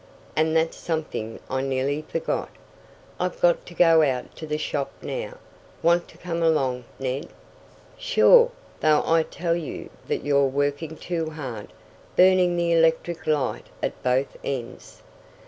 And that's something I nearly forgot. I've got to go out to the shop now. Want to come along, Ned?" "Sure, though I tell you that you're working too hard burning the electric light at both ends."